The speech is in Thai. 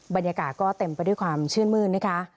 บรรยากาศก็เต็มไปด้วยความชื่นมื้นนะคะ